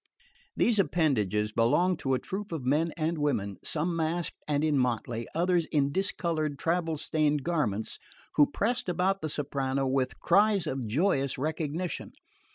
These appendages belonged to a troop of men and women, some masked and in motley, others in discoloured travel stained garments, who pressed about the soprano with cries of joyous recognition.